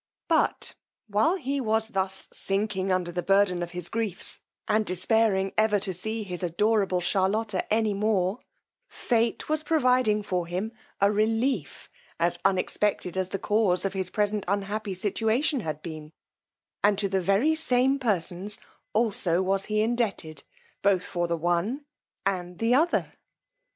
But while he was thus sinking under the burden of his griefs, and despairing ever to see his adorable Charlotta any more, fate was providing for him a relief as unexpected as the cause of his present unhappy situation had been, and to the very same persons also was he indebted both for the one and the other.